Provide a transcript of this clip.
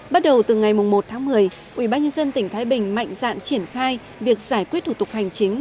bắt đầu từ ngày một tháng một mươi ubnd tỉnh thái bình mạnh dạn triển khai việc giải quyết thủ tục hành chính